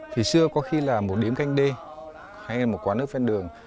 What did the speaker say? thì xưa có khi là một điểm canh đê hay một quán nước phên đường